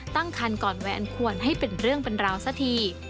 ตั้งคันก่อนวัยอันควรให้เป็นเรื่องเป็นราวสักที